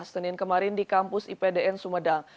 senin kemarin di kampus ipdn sumedang